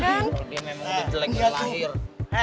dia memang udah jelek dari lahir